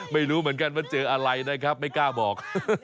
ไม่รู้เหมือนกันว่าเจออะไรนะครับไม่กล้าบอก